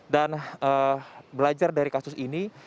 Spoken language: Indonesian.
dan belajar dari kasus ini